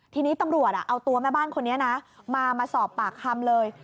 ทีนี้ตำรวจเอาตัวแม่บ้านคนนี้นะมาสอบปากคำเลย